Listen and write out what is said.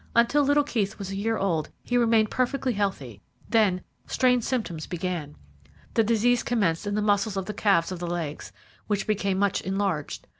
Until little Keith was a year old he remained perfectly healthy, then strange symptoms began. The disease commenced in the muscles of the calves of the legs, which became much enlarged.